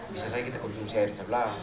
bisa saja kita konsumsi air di sebelah